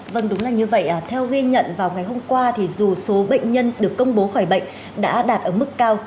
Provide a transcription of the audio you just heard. vâng đúng là như vậy theo ghi nhận vào ngày hôm qua thì dù số bệnh nhân được công bố khỏi bệnh đã đạt ở mức cao